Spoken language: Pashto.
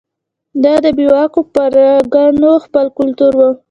دا د بې واکو پرګنو خپل کلتور و.